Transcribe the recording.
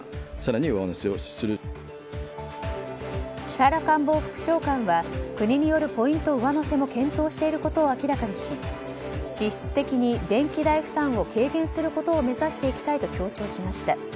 木原官房副長官は国によるポイント上乗せも検討していることを明らかにし実質的に電気代負担を軽減することを目指していきたいと強調しました。